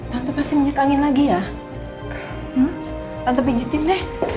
tante kasih minyak angin lagi ya tante pijitin deh